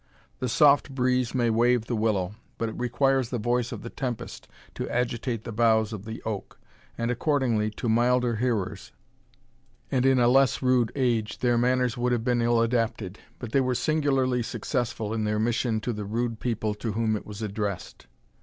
The soft breeze may wave the willow, but it requires the voice of the tempest to agitate the boughs of the oak; and, accordingly, to milder hearers, and in a less rude age, their manners would have been ill adapted, but they were singularly successful in their mission to the rude people to whom it was addressed.